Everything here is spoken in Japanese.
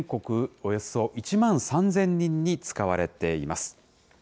およそ１万３０００人に使われています。